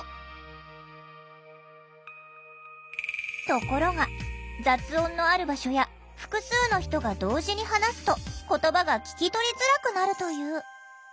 ところが雑音のある場所や複数の人が同時に話すと言葉が聞き取りづらくなるという。